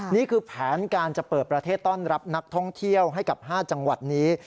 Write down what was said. นี่คือแผนการจะเปิดประเทศต้อนรับนักท่องเที่ยวให้กับ๕จังหวัดนี้